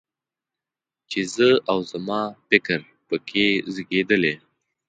چې زه او زما فکر په کې زېږېدلی.